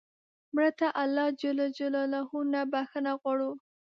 مړه ته الله ج نه بخښنه غواړو